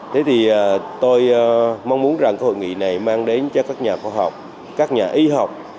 thế thì tôi mong muốn rằng cái hội nghị này mang đến cho các nhà khoa học các nhà y học